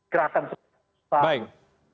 gerakan seperti itu